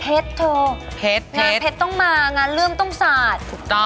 เพชตตงานเพชตต้องมางานเลื่อมต้องสาด